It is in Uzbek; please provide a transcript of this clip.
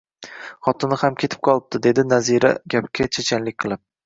Xotini ham ketib qolibdi, dedi Nazira gapga chechanlik qilib